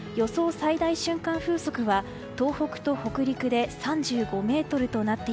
最大瞬間風速は東北と北陸で３５メートル。